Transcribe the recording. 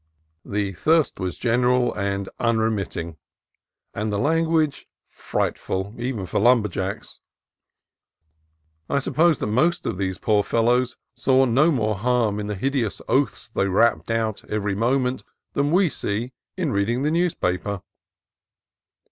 The thirst was general and unremitting, and the language frightful, even for "lumber jacks." I sup pose that most of these poor fellows saw no more harm in the hideous oaths they rapped out every moment than we see in reading the newspaper.